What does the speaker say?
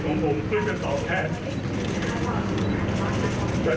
ของผมคือจะต่อแทน